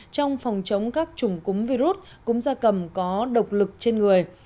trong phòng chống các chủng cúm virus cúm da cầm có độc lực trên người